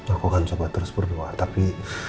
jokowi kan coba terus berdoa tapi